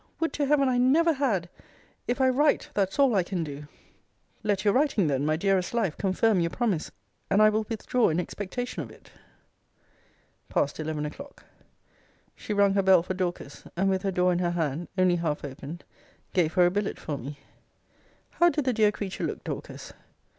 Would to Heaven I never had! If I write, that's all I can do. Let your writing then, my dearest life, confirm your promise: and I will withdraw in expectation of it. PAST ELEVEN O'CLOCK. She rung her bell for Dorcas; and, with her door in her hand, only half opened, gave her a billet for me. How did the dear creature look, Dorcas?